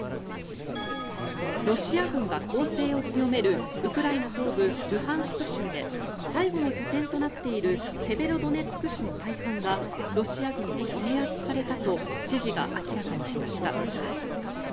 ロシア軍が攻勢を強めるウクライナ東部ルハンシク州で最後の拠点となっているセベロドネツク市の大半がロシア軍に制圧されたと知事が明らかにしました。